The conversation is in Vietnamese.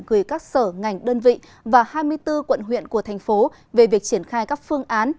gửi các sở ngành đơn vị và hai mươi bốn quận huyện của thành phố về việc triển khai các phương án